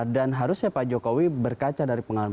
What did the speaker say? dan harusnya pak jokowi berkaca dari pengalaman ini